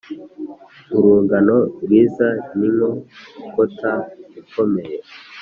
urungano rwiza ni nko kota ikome